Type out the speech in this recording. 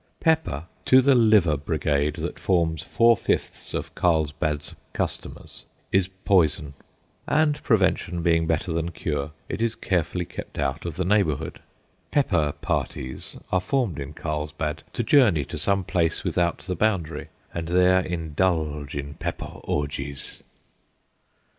Pepper, to the liver brigade that forms four fifths of Carlsbad's customers, is poison; and, prevention being better than cure, it is carefully kept out of the neighbourhood. "Pepper parties" are formed in Carlsbad to journey to some place without the boundary, and there indulge in pepper orgies.